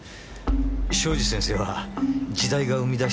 庄司先生は時代が生み出した作家です。